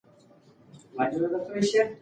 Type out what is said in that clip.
په نړيواله کچه د دولتونو اړيکې ډېرې پېچلې دي.